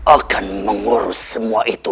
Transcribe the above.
akan mengurus semua itu